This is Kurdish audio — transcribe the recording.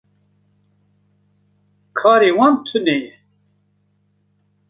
Karê wan tune ye.